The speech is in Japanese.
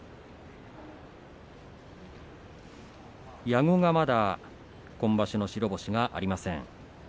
矢後が、まだ今場所の白星がありません。